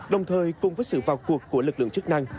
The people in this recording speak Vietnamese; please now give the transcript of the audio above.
đồng thời cùng với sự vào cuộc của lực lượng chức năng